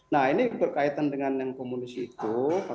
nah ini berkaitan dengan yang komunis itu